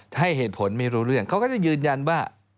ถ้าให้เหตุผลไม่รู้เรื่องเขาก็ต้องยืนยันว่า